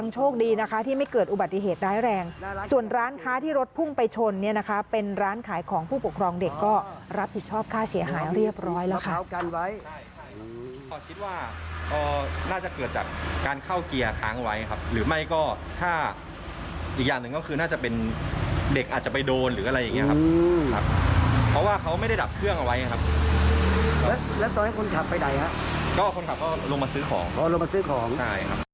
แล้วก็ค่าเสียหายเรียบร้อยแล้วค่ะ